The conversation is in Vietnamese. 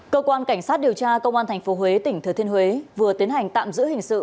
cơ quan cảnh sát điều tra công an tp huế tỉnh thừa thiên huế vừa tiến hành tạm giữ hình sự